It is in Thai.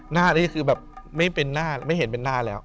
หน้านี้คือแบบไม่เป็นหน้าไม่เห็นเป็นหน้าแล้ว